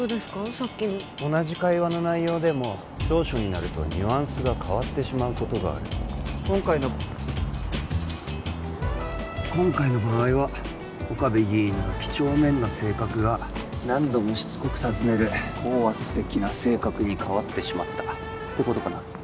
さっきの同じ会話の内容でも調書になるとニュアンスが変わってしまうことがある今回の今回の場合は岡部議員のきちょうめんな性格が何度もしつこく尋ねる高圧的な性格に変わってしまったてことかな